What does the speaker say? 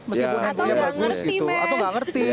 atau gak ngerti mas